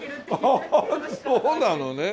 ああそうなのね。